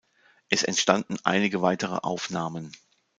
Es entstanden einige weitere Aufnahmen.